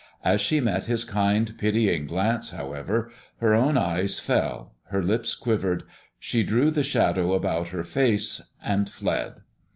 As she met his kind, pitying glance, however, her own eyes fell, her lips quivered, she drew the Shadow about her face and fled.